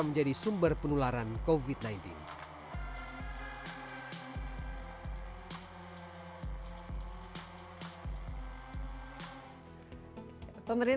menjadi sumber penularan covid sembilan belas pemerintah sudah menyatakan jumlah limbah medis yang